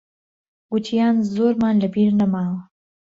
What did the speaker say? گوتیان زۆرمان لەبیر نەماوە.